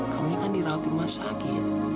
kamu kan di ratu rumah sakit